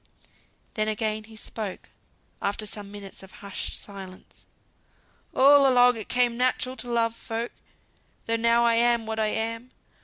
Then again he spoke, after some minutes of hushed silence. "All along it came natural to love folk, though now I am what I am.